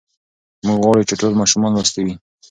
موږ غواړو چې ټول ماشومان لوستي وي.